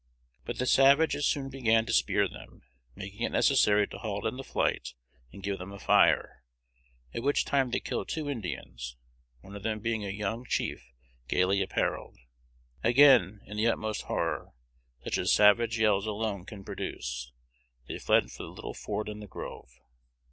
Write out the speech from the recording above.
But the savages soon began to spear them, making it necessary to halt in the flight, and give them a fire, at which time they killed two Indians, one of them being a young chief gayly apparelled. Again, in the utmost horror, such as savage yells alone can produce, they fled for the little fort in the grove.